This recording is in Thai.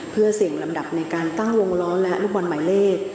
เพื่อเสี่ยงลำดับในการตั้งวงล้อและลูกบอลหมายเลข